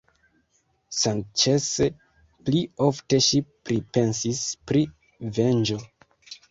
Senĉese pli ofte ŝi pripensis pri venĝo.